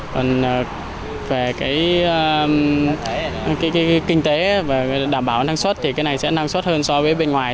còn về cái kinh tế và đảm bảo năng suất thì cái này sẽ năng suất hơn so với bên ngoài